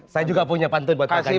saya juga punya pantun buat pak ganjar nih